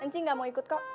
encing gak mau ikut kok